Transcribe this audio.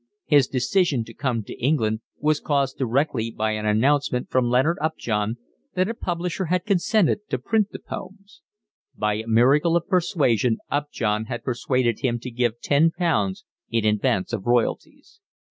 His decision to come to England was caused directly by an announcement from Leonard Upjohn that a publisher had consented to print the poems. By a miracle of persuasion Upjohn had persuaded him to give ten pounds in advance of royalties.